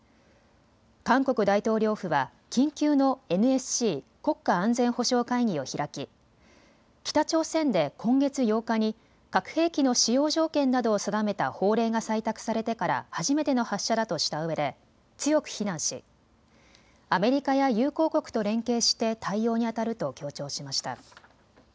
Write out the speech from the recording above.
韓国大統領府は緊急のＮＳＣ・国家安全保障会議を開き、北朝鮮で今月８日に核兵器の使用条件などを定めた法令が採択されてから初めての発射だとしたうえで強く非難しアメリカや友好国と連携して対応にあたると強調しました。